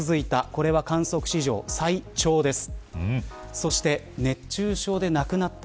これは観測史上最長です。